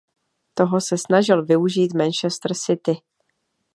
Toho se snažil využít Manchester City.